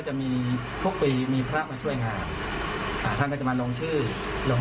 จะมีทุกปีมีพระมาช่วยงานอ่าท่านก็จะมาลงชื่อลง